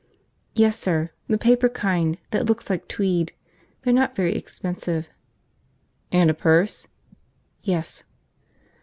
"Yes, sir, the paper kind that looks like tweed. They're not very expensive." "And a purse?" "Yes."